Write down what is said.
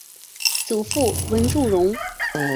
祖父文仲荣。